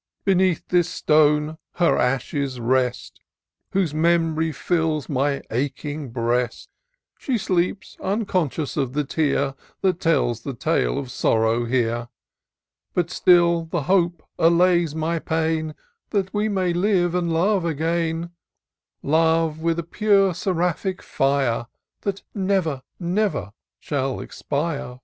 " Beneath this stone her ashes rest. Whose memory fills my aching breast ! She sleeps unconscious of the tear That tells the tale of sorrow here ; But still the hope allays my pain That we may live and love again : Love, with a pure seraphic fire, That never, never, shall expire."